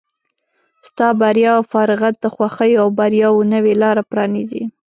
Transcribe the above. ستا بریا او فارغت د خوښیو او بریاوو نوې لاره پرانیزي.